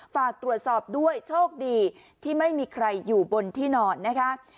ฝากตรวจสอบด้วยโชคดีที่ไม่มีใครอยู่บนที่นอนนะคะ